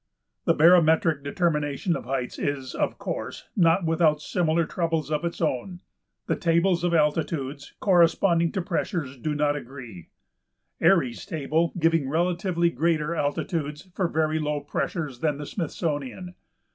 The barometric determination of heights is, of course, not without similar troubles of its own. The tables of altitudes corresponding to pressures do not agree, Airy's table giving relatively greater altitudes for very low pressures than the Smithsonian.